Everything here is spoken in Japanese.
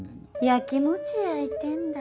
やきもちやいてんだ。